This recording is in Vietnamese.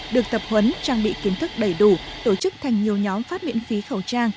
được tập huấn trang bị kiến thức đầy đủ tổ chức thành nhiều nhóm phát miễn phí khẩu trang